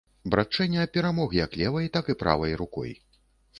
Братчэня перамог як левай, так і правай рукой.